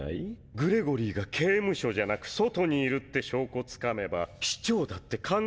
グレゴリーが刑務所じゃなく外にいるって証拠つかめば市長だって考え変わると思うの。